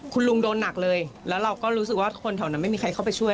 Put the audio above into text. คุณลุงโดนหนักเลยแล้วเราก็รู้สึกว่าคนแถวนั้นไม่มีใครเข้าไปช่วย